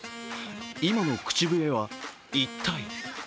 今の口笛は一体？